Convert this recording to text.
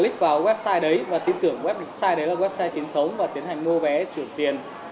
click vào website đấy và tin tưởng website đấy là website chính xấu và tiến hành mua vé chuyển tiền